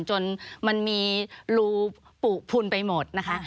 จนมันมีรูปพุนไปหมดนะคะ